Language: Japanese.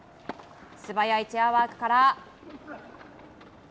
素早いチェアワークから。